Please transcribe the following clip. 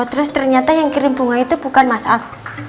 oh terus ternyata yang kirim bunga itu bukan mas al